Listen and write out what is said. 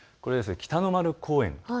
北の丸公園です。